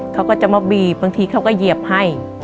เขาก็จะมาบีบบางทีเขาก็เหยียบให้